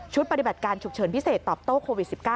ปฏิบัติการฉุกเฉินพิเศษตอบโต้โควิด๑๙